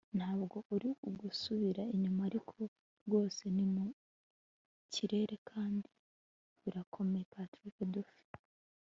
ntabwo ari ugusubira inyuma, ariko rwose ni mu kirere kandi birakomeye. - patrick duffy